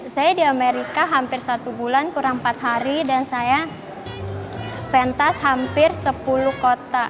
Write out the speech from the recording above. saya di amerika hampir satu bulan kurang empat hari dan saya pentas hampir sepuluh kota